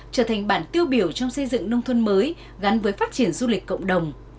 trở thành bản tiêu biểu trong xây dựng nông thôn mới gắn với phát triển du lịch cộng đồng